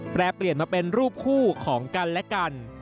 แปรเปลี่ยนมาเป็นรูปคู่ของกันและกัน